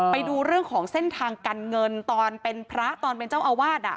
ไปดูเรื่องของเส้นทางการเงินตอนเป็นพระตอนเป็นเจ้าอาวาส